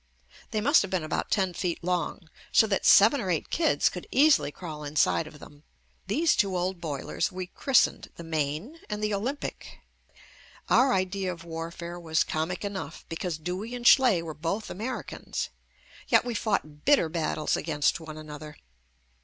They must have been about ten feet long, so that seven or eight kids could easily crawl inside of them. These two old boilers we christened the "Maine" and the "Olympic." Our idea of warfare was comic enough because Dewey and Schley were both Americans, yet we fought bitter battles against one another.